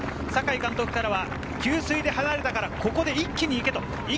酒井監督からは給水で離れたから、ここで一気に行け！